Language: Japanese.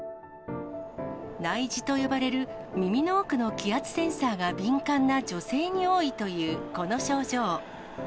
内耳と呼ばれる耳の奥の気圧センサーが敏感な女性に多いというこの症状。